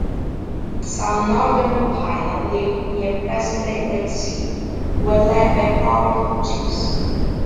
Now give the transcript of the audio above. Some northern Utina lived near present-day Lake City who were led by powerful chiefs.